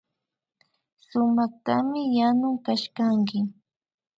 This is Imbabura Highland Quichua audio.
Sumaktami yanun kashkanki